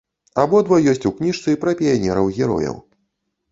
Абодва ёсць у кніжцы пра піянераў-герояў.